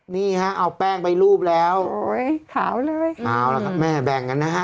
นี่ฮะเอาแป้งไปรูปแล้วโอ้ยขาวเลยเอาละครับแม่แบ่งกันนะฮะ